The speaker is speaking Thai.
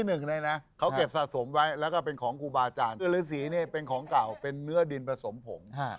หนึ่งเลยนะเขาเก็บสะสมไว้แล้วก็เป็นของครูบาอาจารย์คือฤษีเนี่ยเป็นของเก่าเป็นเนื้อดินผสมผง